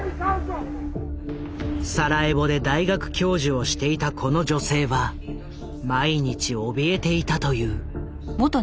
サラエボで大学教授をしていたこの女性は毎日おびえていたという。